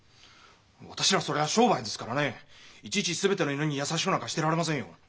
私らそりゃ商売ですからねいちいち全ての犬に優しくなんかしてられませんよ。